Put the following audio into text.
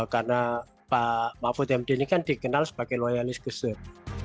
karena pak put md ini kan dikenal sebagai loyalis gus dur